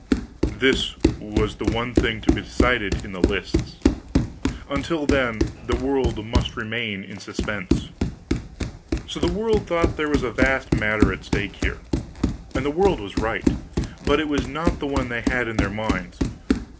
This was the one thing to be decided in the lists. Until then the world must remain in suspense. So the world thought there was a vast matter at stake here, and the world was right, but it was not the one they had in their minds.